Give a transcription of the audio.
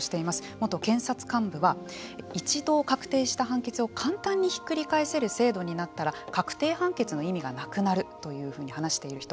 元検察幹部は一度、確定した判決を簡単にひっくり返せる制度になったら確定判決の意味がなくなるというふうに話している人。